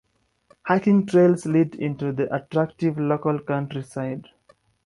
Hiking trails lead into the attractive local countryside.